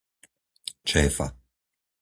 Čéfa